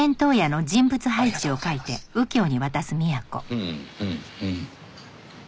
うんうんうん。